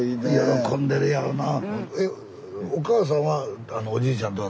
喜んでるやろな。